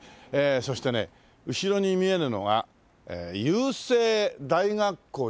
そしてね後ろに見えるのが郵政大学校でいいんですか？